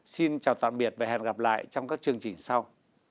xin chào tạm biệt và hẹn gặp lại trong các chương trình sau